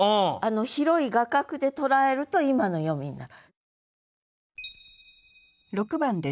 広い画角で捉えると今の読みになる。